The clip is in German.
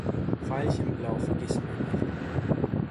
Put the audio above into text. Veilchen blau, Vergißmeinnicht!